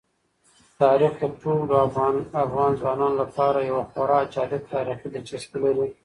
تاریخ د ټولو افغان ځوانانو لپاره یوه خورا جالب تاریخي دلچسپي لري.